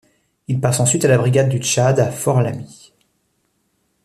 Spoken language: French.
Il passe ensuite à la Brigade du Tchad à Fort Lamy.